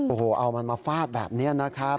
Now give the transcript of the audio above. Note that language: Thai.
โอ้โหเอามันมาฟาดแบบนี้นะครับ